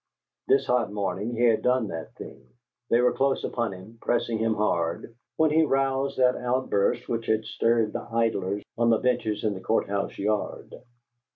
This hot morning he had done that thing: they were close upon him, pressing him hard, when he roused that outburst which had stirred the idlers on the benches in the Court house yard.